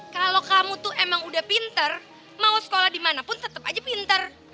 kalau kamu tuh emang udah pinter mau sekolah dimanapun tetap aja pinter